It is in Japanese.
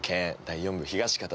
第４部東方